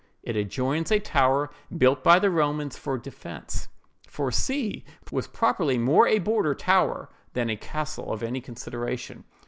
It adjoins a tower built by the Romans for defence; for C—— was properly more a border tower than a castle of any consideration.